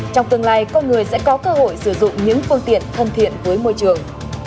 trong tương lai con người sẽ có cơ hội sử dụng những phương tiện thân thiện với môi trường